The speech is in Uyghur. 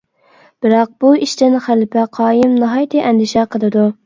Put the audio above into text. بىراق بۇ ئىشتىن خەلپە قايىم ناھايىتى ئەندىشە قىلىدۇ.